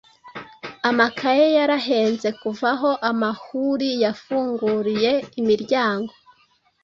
Amakaye yarahenze kuva aho amahuri yafunguriye imiryango